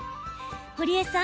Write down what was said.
堀江さん